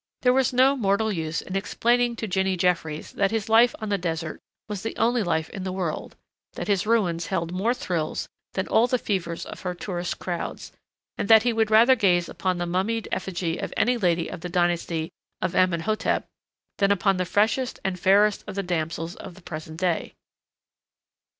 There was no mortal use in explaining to Jinny Jeffries that his life on the desert was the only life in the world, that his ruins held more thrills than all the fevers of her tourist crowds, and that he would rather gaze upon the mummied effigy of any lady of the dynasty of Amenhotep than upon the freshest and fairest of the damsels of the present day.